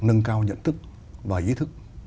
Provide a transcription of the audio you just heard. nâng cao nhận thức và ý thức